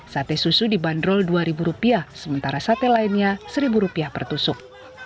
sate susu dibanderol rp dua sementara sate lainnya rp satu per tusuk